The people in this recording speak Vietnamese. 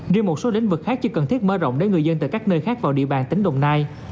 riêng một số lĩnh vực khác chỉ cần thiết mơ rộng đưa người dân từ các nơi khác vào địa bàn tỉnh đồng nai